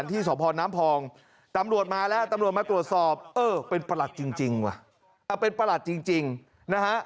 ตำรวจมาตรวจสอบเอ้อเป็นประหลักจริงว่ะเป็นประหลักจริงนะฮะ